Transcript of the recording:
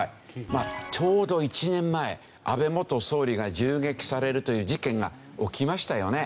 ちょうど１年前安倍元総理が銃撃されるという事件が起きましたよね。